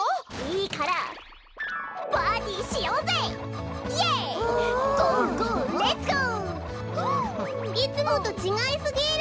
いつもとちがいすぎる！